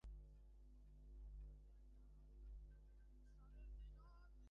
আপনি হয়তো এক্ষণে, দিকভ্রান্ত হয়ে, সুইডিশ অ্যাকাডেমির নীতিমালাটা একবার পড়ে দেখতে পারেন।